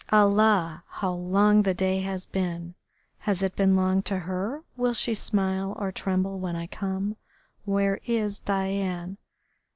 Allah! how long the day has been.... Has it been long to her? Will she smile or tremble when I come?... Where is Diane?...